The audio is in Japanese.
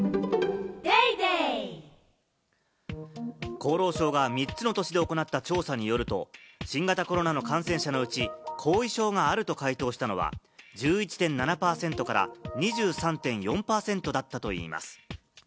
厚労省が３つの都市で行った調査によると、新型コロナの感染者のうち後遺症があると回答したのは、１１．７％から２３．４％だったといいます。